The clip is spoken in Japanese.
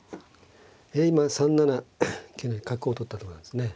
今３七桂成角を取ったとこなんですね。